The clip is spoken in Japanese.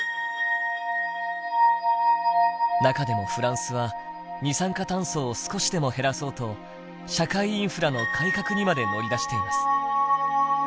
中でもフランスは二酸化炭素を少しでも減らそうと社会インフラの改革にまで乗り出しています。